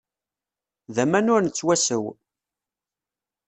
D aman ur nettwasaw!